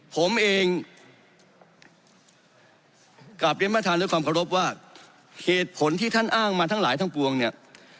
ผมเองกลับเรียนประธานด้วยความเคารพว่าเหตุผลที่ท่านอ้างมาทั้งหลายทั้งปวงเนี่ย